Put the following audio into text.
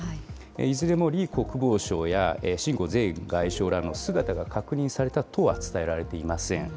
いずれも李国防相や秦剛前外相らの姿が確認されたとは伝えられていません。